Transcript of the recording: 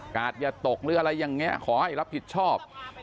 อย่าตกหรืออะไรอย่างนี้ขอให้รับผิดชอบ